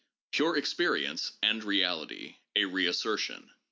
PURE EXPERIENCE AND REALITY: A REASSERTION.